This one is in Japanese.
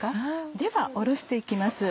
ではおろして行きます。